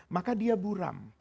maka dia buram